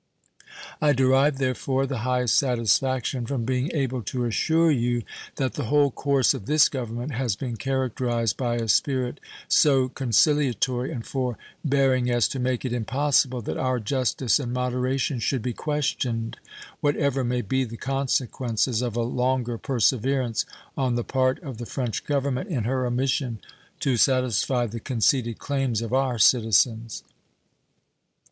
I derive, therefore, the highest satisfaction from being able to assure you that the whole course of this Government has been characterized by a spirit so conciliatory and for bearing as to make it impossible that our justice and moderation should be questioned, what ever may be the consequences of a longer perseverance on the part of the French Government in her omission to satisfy the conceded claims of our citizens.